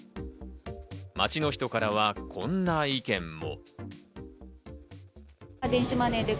街の人からはこんな意見も。